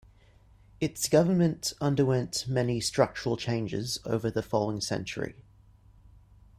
Its government underwent many structural changes over the following century.